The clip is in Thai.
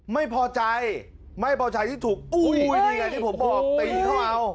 ไม่พอใจไม่พอใจที่ถูกอุ้ยนี่ไงที่ผมบอกตีเขาเอา